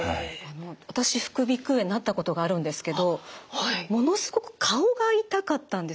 私副鼻腔炎なったことがあるんですけどものすごく顔が痛かったんですよ。